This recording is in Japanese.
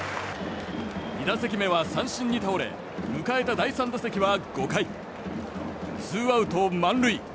２打席目は三振に倒れ迎えた第３打席は５回２アウト満塁。